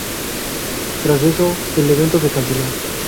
Tras esto, el evento se canceló.